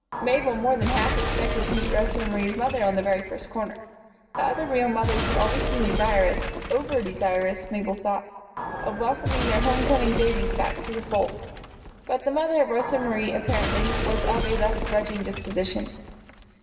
Mabel more than half expected to meet Rosa Marie's mother at the very first corner. The other real mothers had always seemed desirous over desirous, Mabel thought of welcoming their home coming babies back to the fold; but the mother of Rosa Marie, apparently, was of a less grudging disposition.